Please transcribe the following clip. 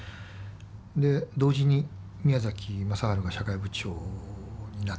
同時に宮崎昌治が社会部長になった。